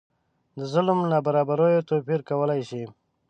د ظلم نابرابریو توپیر کولای شي.